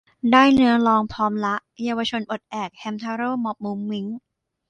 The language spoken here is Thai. ได้เนื้อร้อง พร้อมละ เยาวชนปลดแอก แฮมทาโร่ ม็อบมุ้งมิ้ง